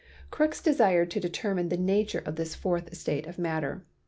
Crookes desired to deter mine the nature of this fourth state of matter.